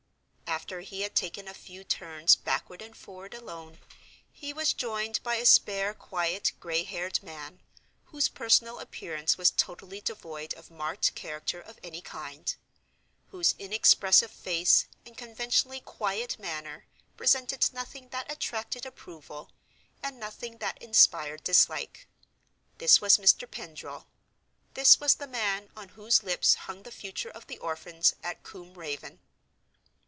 After he had taken a few turns backward and forward, alone, he was joined by a spare, quiet, gray haired man, whose personal appearance was totally devoid of marked character of any kind; whose inexpressive face and conventionally quiet manner presented nothing that attracted approval and nothing that inspired dislike. This was Mr. Pendril—this was the man on whose lips hung the future of the orphans at Combe Raven.